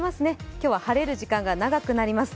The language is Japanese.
今日は晴れる時間が長くなります。